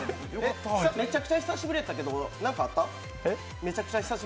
めちゃくちゃ久しぶりやったけど何かあった？